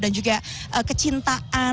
dan juga kecintaan